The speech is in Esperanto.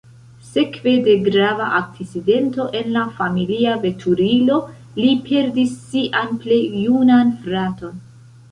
Sekve de grava akcidento en la familia veturilo, li perdis sian plej junan fraton.